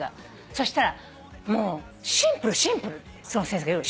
そしたらシンプルシンプルってその先生が言うの。